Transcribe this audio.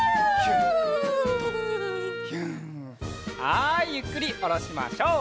はいゆっくりおろしましょう。